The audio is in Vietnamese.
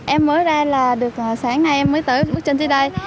em mới ra là được sáng nay em mới tới bước chân tới đây